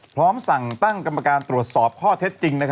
พร้อมสั่งตั้งกรรมการตรวจสอบข้อเท็จจริง